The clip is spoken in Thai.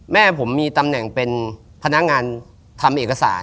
แม่ผมมีตำแหน่งเป็นพนักงานทำเอกสาร